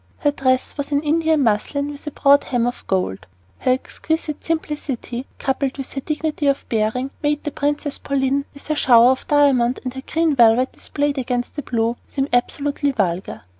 Her dress was an Indian muslin with a broad hem of gold. Her exquisite simplicity, coupled with her dignity of bearing, made the Princess Pauline, with her shower of diamonds, and her green velvet displayed against the blue, seem absolutely vulgar.